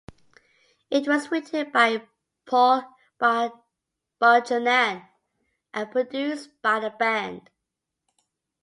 It was written by Paul Buchanan and produced by the band.